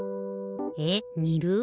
えっにる？